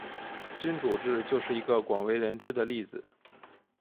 君主制就是一个广为人知的例子。